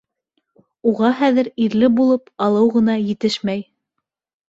Уға хәҙер ирле булып алыу ғына етешмәй.